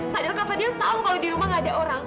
padahal kak fadil tahu kalau di rumah tidak ada orang